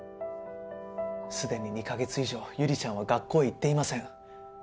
すでに２カ月以上悠里ちゃんは学校へ行っていません。